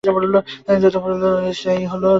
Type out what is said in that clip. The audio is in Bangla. ঝড় আধা ঘণ্টার মতো স্থায়ী হলো।